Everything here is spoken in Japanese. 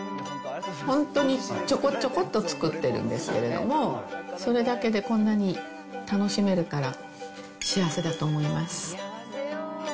本当にちょこちょこっと作ってるんですけれども、それだけでこんなに楽しめるから、幸せだと思います。